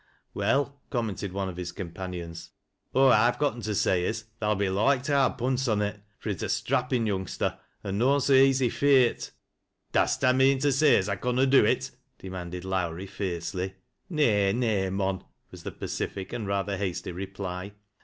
" Well," commented one of his companions, " aw I've gotten to say is, as tha'll be loike to ha' a punse on it, fa) he's a strappin' youngster, an' noan so easy f eart." " Da'st ta mean to say as I conna do it ?" demanded Lowrie fiercely. " Nay — nay, mon," was the pacific and rather hastj reply.